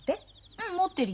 うん持ってるよ。